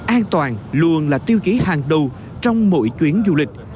an toàn luôn là tiêu chí hàng đầu trong mỗi chuyến du lịch